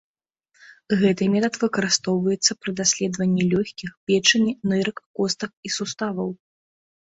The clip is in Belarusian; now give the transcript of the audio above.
Гэты метад выкарыстоўваецца пры даследаванні лёгкіх, печані, нырак, костак і суставаў.